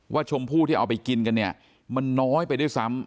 ชมพู่ที่เอาไปกินกันเนี่ยมันน้อยไปด้วยซ้ำ